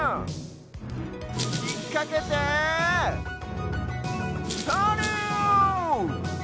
ひっかけてとる！